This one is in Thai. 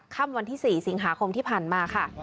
ค่ำวันที่๔สิงหาคมที่ผ่านมาค่ะ